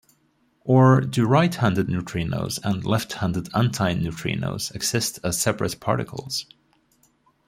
Or do right-handed neutrinos and left-handed antineutrinos exist as separate particles?